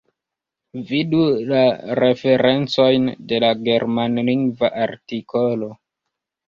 Vidu la referencojn de la germanlingva artikolo!